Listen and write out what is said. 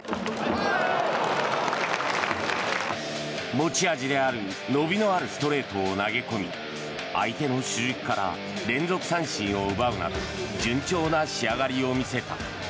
持ち味である伸びのあるストレートを投げ込み相手の主軸から連続三振を奪うなど順調な仕上がりを見せた。